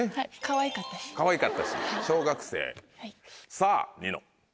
さぁニノ。